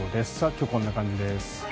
今日、こんな感じです。